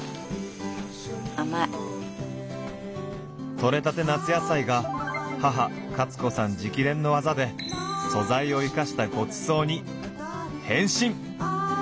取れたて夏野菜が母カツ子さん直伝のワザで素材を生かしたごちそうに変身！